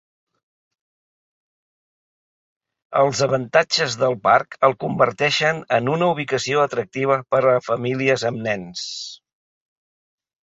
Els avantatges del parc el converteixen en una ubicació atractiva per a famílies amb nens.